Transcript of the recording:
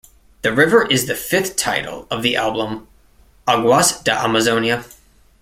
The river is the fifth title of the album Aguas da Amazonia.